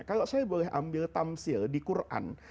kalau saya boleh ambil tamsil di quran